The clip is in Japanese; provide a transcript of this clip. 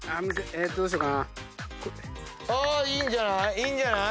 いいんじゃない？